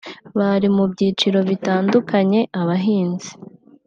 bari mu byiciro bitandukanye abahinzi